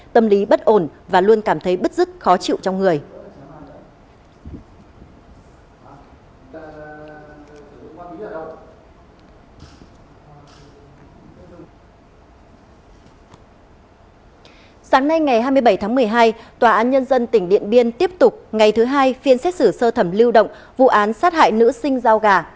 tòa án nhân dân tỉnh điện biên tiếp tục ngày thứ hai phiên xét xử sơ thẩm lưu động vụ án sát hại nữ sinh giao gà